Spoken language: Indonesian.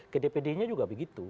ke dpd nya juga begitu